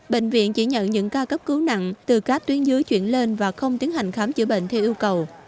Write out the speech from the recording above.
bệnh viện chỉ nhận những ca cấp cứu nặng từ các tuyến dưới chuyển lên và không tiến hành khám chữa bệnh theo yêu cầu